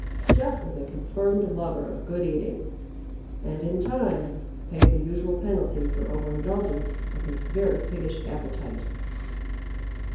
"Jeff" was a confirmed lover of good eating, and in time paid the usual penalty for over indulgence of his very piggish appetite.